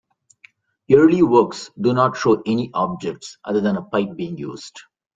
Early works do not show any objects other than a pipe being used.